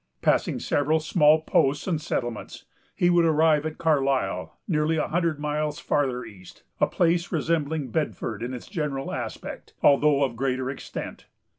Passing several small posts and settlements, he would arrive at Carlisle, nearly a hundred miles farther east, a place resembling Bedford in its general aspect, although of greater extent.